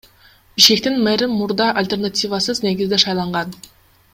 Бишкектин мэри мурда альтернативасыз негизде шайланган.